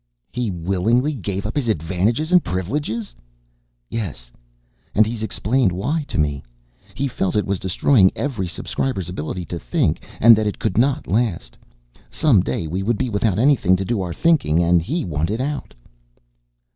"He willingly gave up his advantages and privileges?" "Yes. And he's explained why to me. He felt it was destroying every Subscriber's ability to think and that it could not last. Some day we would be without anything to do our thinking and he wanted out."